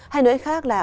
hay nói khác là